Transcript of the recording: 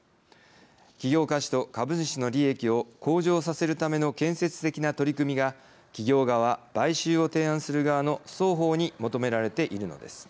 企業価値と株主の利益を向上させるための建設的な取り組みが企業側買収を提案する側の双方に求められているのです。